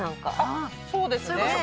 そうですね。